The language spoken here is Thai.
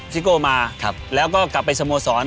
ซิโก้มาแล้วก็กลับไปสโมสร